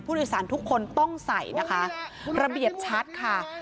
ทุกคนต้องใส่นะคะระเบียบชัดค่ะ